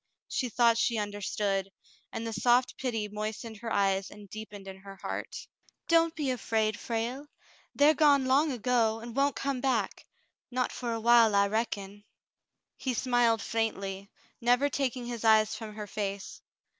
She thought she understood, and the soft pity moistened her eyes and deepened in her heart. "Don't be afraid, Frale; they're gone long ago, and won't come back — not for a while, I reckon." He smiled faintly, never taking his eyes from her face.